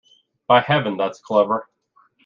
By Heaven, that's clever!